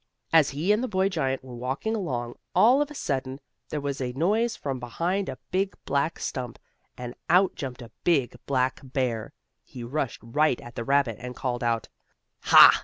As he and the boy giant were walking along, all of a sudden there was a noise from behind a big, black stump, and out jumped a big, black bear. He rushed right at the rabbit, and called out: "Ha!